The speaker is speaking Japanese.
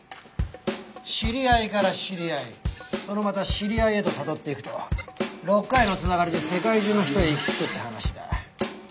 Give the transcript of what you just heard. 知り合いから知り合いそのまた知り合いへとたどっていくと６回の繋がりで世界中の人へ行き着くって話だ。